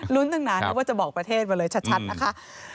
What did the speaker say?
ตั้งนานนึกว่าจะบอกประเทศมาเลยชัดนะคะ